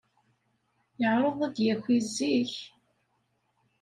Yeɛreḍ ad d-yaki zik.